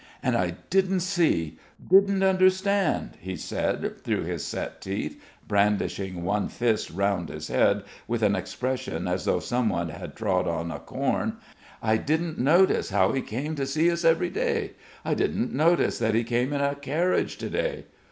"And I didn't see ... didn't understand," he said through his set teeth, brandishing one fist round his head, with an expression as though someone had trod on a corn. "I didn't notice how he came to see us every day. I didn't notice that he came in a carriage to day!